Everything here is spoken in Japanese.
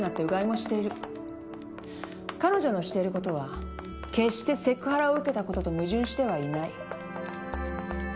彼女のしてることは決してセクハラを受けたことと矛盾してはいない。